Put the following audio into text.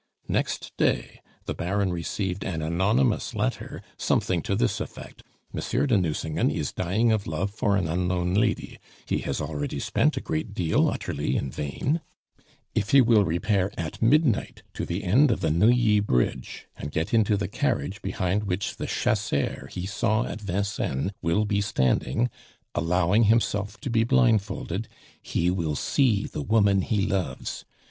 "Next day the Baron received an anonymous letter something to this effect: 'Monsieur de Nucingen is dying of love for an unknown lady; he has already spent a great deal utterly in vain; if he will repair at midnight to the end of the Neuilly Bridge, and get into the carriage behind which the chasseur he saw at Vincennes will be standing, allowing himself to be blindfolded, he will see the woman he loves.